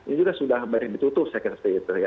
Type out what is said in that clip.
ini juga sudah banyak ditutup saya kira seperti itu ya